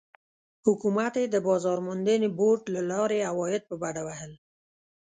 حکومت یې د بازار موندنې بورډ له لارې عواید په بډه وهل.